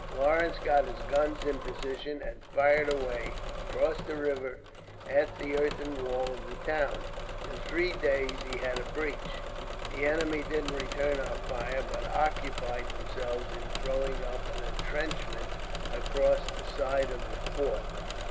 Lawrence got his guns in position and fired away, across the river, at the earthen wall of the town. In three days he had a breach. The enemy didn't return our fire, but occupied themselves in throwing up an entrenchment across the side of the fort.